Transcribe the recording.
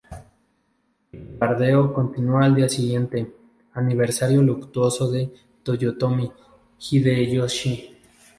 El bombardeo continuó al día siguiente, aniversario luctuoso de Toyotomi Hideyoshi.